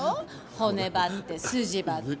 骨張って、筋張って。